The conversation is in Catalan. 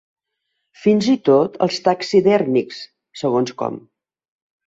Fins i tot els taxidèrmics, segons com.